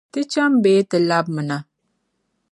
Ti cham bee ti labimna?